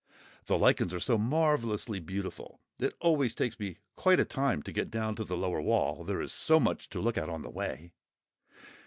The lichens are so marvellously beautiful, it always takes me quite a time to get down to the lower wall; there is so much to look at on the way.